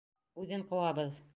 Үҙен ҡыуабыҙ!